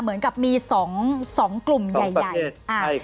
เหมือนกับมีสองสองกลุ่มยาวแล้วนัดอ่า